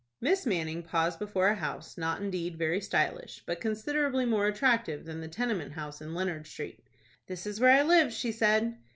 Miss Manning paused before a house, not indeed very stylish, but considerably more attractive than the tenement house in Leonard Street. "This is where I live," she said.